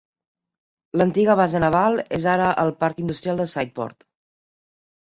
L'antiga base naval és ara el parc industrial de Sydport.